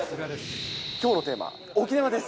きょうのテーマ、沖縄です。